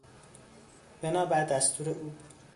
بنابر دستور او